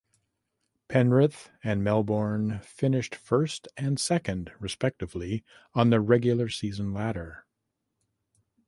Penrith and Melbourne finished first and second respectively on the regular season ladder.